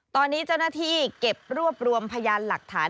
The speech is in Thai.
ตอนนี้เจ้าหน้าที่เก็บรวบรวมพยานหลักฐาน